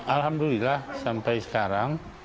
alhamdulillah sampai sekarang